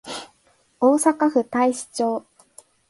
大阪府太子町